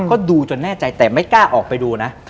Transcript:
ก็ดูจนแน่ใจแต่ไม่กล้าออกไปดูนะ